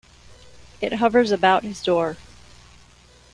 It hovers about his door.